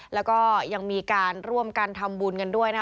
แล้วก็ยังมีการร่วมกันทำบุญกันด้วยนะคะ